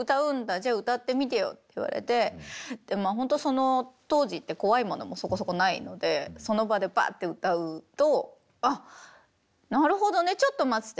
じゃ歌ってみてよ」って言われてほんと当時って怖いものもそこそこないのでその場でパッと歌うと「あっなるほどね。ちょっと待ってて。